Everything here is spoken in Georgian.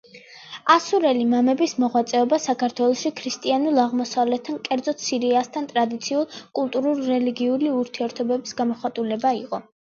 ასურელი მამების მოღვაწეობა საქართველოში ქრისტიანულ აღმოსავლეთთან, კერძოდ, სირიასთან, ტრადიციულ კულტურულ-რელიგიური ურთიერთობის გამოხატულება იყო.